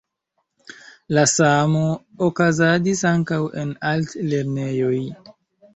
La samo okazadis ankaŭ en altlernejoj.